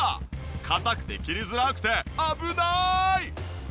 硬くて切りづらくて危ない！